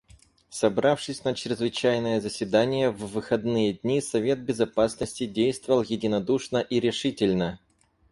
Собравшись на чрезвычайное заседание в выходные дни, Совет Безопасности действовал единодушно и решительно.